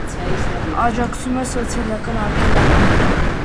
Առաջանում է սոցիալական արգելակում։